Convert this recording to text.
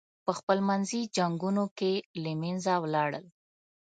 پخپل منځي جنګونو کې له منځه ولاړل.